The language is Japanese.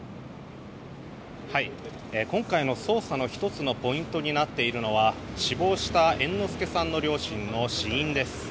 今回の捜査の１つのポイントになっているのは死亡した猿之助さんの両親の死因です。